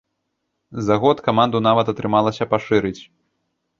За год каманду нават атрымалася пашырыць!